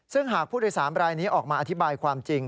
ซึ่งหากผู้โดยสารรายนี้ออกมาอธิบายความจริง